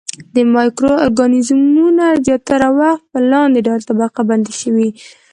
د مایکرو ارګانیزمونو زیاته برخه په لاندې ډول طبقه بندي شوې.